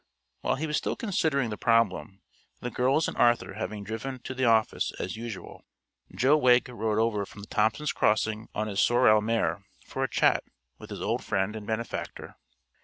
While he was still considering the problem, the girls and Arthur having driven to the office, as usual, Joe Wegg rode over from Thompson's Crossing on his sorrel mare for a chat with his old friend and benefactor.